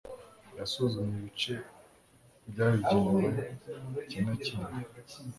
Yasuzumye ibice byabigenewe kimwekindi.